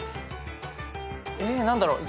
え何だろう。